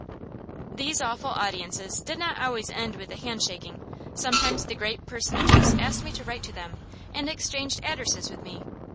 These awful audiences did not always end with the handshaking. Sometimes the great personages asked me to write to them, and exchanged addresses with me.